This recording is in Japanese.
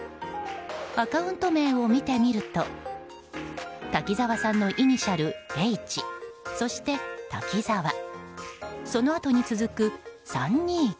アカウント名を見てみると滝沢さんのイニシャル「ｈ」そして、「Ｔａｋｉｚａｗａ」そのあとに続く「３２９」。